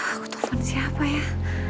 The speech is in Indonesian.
aku telfon siapa ya